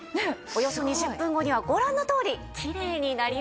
およそ２０分後にはご覧のとおりきれいになりました。